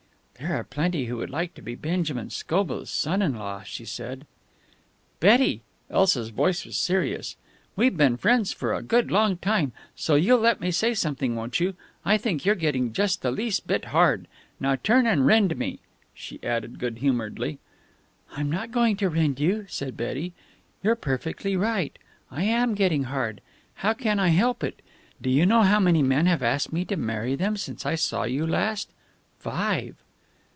"There are plenty who would like to be Benjamin Scobell's son in law," she said. "Betty!" Elsa's voice was serious. "We've been friends for a good long time, so you'll let me say something, won't you? I think you're getting just the least bit hard. Now turn and rend me," she added good humoredly. "I'm not going to rend you," said Betty. "You're perfectly right. I am getting hard. How can I help it? Do you know how many men have asked me to marry them since I saw you last? Five."